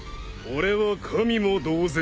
俺は神も同然。